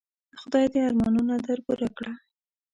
خدای دي ارمانونه در پوره کړه .